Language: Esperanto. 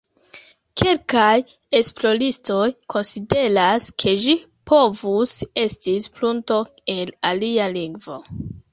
Kelkaj esploristoj konsideras ke ĝi povus estis prunto el alia lingvo.